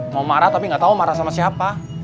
mau marah tapi nggak tahu marah sama siapa